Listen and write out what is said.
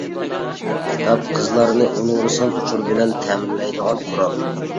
كىتاب قىزلارنى ئۇنىۋېرسال ئۇچۇر بىلەن تەمىنلەيدىغان قورال.